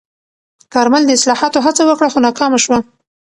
کارمل د اصلاحاتو هڅه وکړه، خو ناکامه شوه.